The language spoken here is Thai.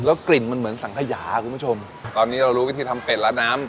กลิ่นมันเหมือนสังขยาคุณผู้ชมตอนนี้เรารู้วิธีทำเป็ดแล้วน้ำ